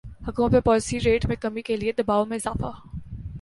حکومت پر policy rate میں کمی کے لیے دبائو میں اضافہ